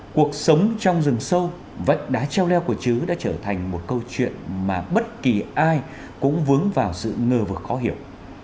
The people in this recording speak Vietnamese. cuộc sống trong rừng sâu vách đá treo leo của chứ đã trở thành một câu chuyện mà bất kỳ ai cũng vướng vào sự ngờ vực khó hiểu